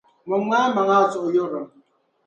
Mɔŋmi a maŋ’ A suhuyurlim.